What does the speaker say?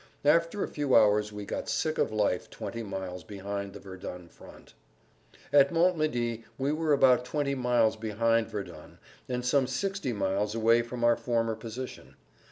After a few hours we got sick of life twenty miles behind the Verdun front. At Montmédy we were about twenty miles behind Verdun and some sixty miles away from our former position.